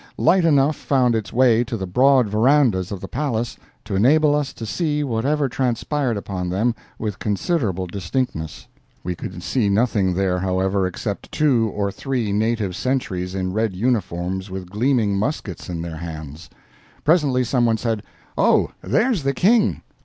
Light enough found its way to the broad verandahs of the palace to enable us to see whatever transpired upon them with considerable distinctness. We could see nothing there, however, except two or three native sentries in red uniforms with gleaming muskets in their hands. Presently someone said: "Oh, there's the King!"